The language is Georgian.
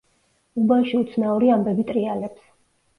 უბანში უცნაური ამბები ტრიალებს.